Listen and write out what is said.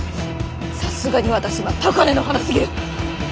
さすがに私は高根の花すぎる！